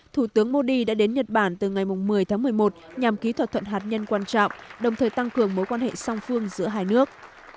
thủ tướng modi đã đến nhật bản từ ngày một mươi tháng một mươi một nhằm ký thỏa thuận hạt nhân quan trọng đồng thời tăng cường mối quan hệ song phương giữa hai nước